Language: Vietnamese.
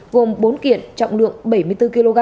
gồm bốn kiện trọng lượng bảy mươi bốn kg